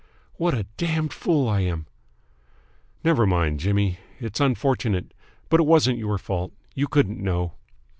"What a damned fool I am!" "Never mind, Jimmy. It's unfortunate, but it wasn't your fault. You couldn't know."